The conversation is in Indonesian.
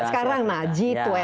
sekarang nah g dua puluh